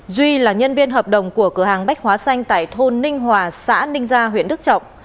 duy là nhân viên hợp đồng của cửa hàng bách hóa xanh tại thôn ninh hòa xã ninh gia huyện đức trọng